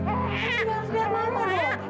tapi harus lihat mama dulu